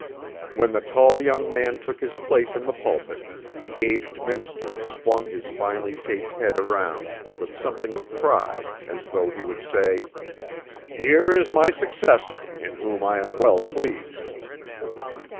When the tall young man took his place in the pulpit, the aged minister swung his finely shaped head around with something of pride as though he would say, "Here is my successor, in whom I am well pleased."